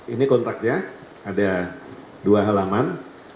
ini kontaknya ada dua halaman